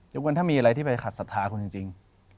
ทุกวันถ้ามีอะไรที่ไปขัดศรัทธาคุณจริง